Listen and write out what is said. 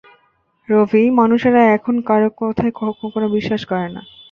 রভি, মানুষেরা এখন কারো কথায় কোনো বিশ্বাস করে না।